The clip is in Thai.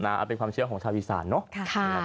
เอาเป็นความเชื่อของชาวอีสานเนอะ